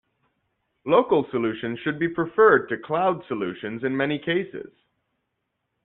Local solutions should be preferred to cloud solutions in many cases.